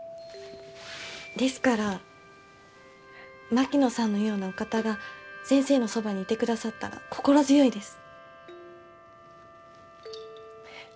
ですから槙野さんのようなお方が先生のそばにいてくださったら心強いです。